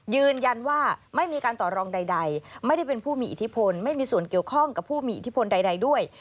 ยืนยันว่าไม่มีการต่อรองใดไม่ได้เป็นผู้มีอิทธิพลไม่มีส่วนเกี่ยวข้องกับผู้มีอิทธิพลใดด้วย